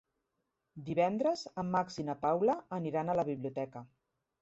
Divendres en Max i na Paula aniran a la biblioteca.